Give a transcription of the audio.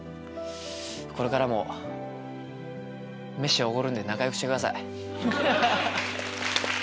これからもメシおごるんで仲良くしてください。